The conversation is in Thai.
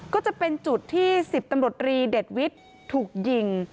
ก็จะเป็นจุดที่๑๐ตำรวจรีเด็ดวิทย์ถูกยิง